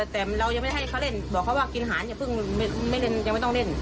แต่เรายังไม่ให้เขาเล่นบอกเขาว่ากินหารอย่าเพิ่งยังไม่ต้องเล่น